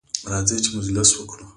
راځئ چې مجلس وکړو.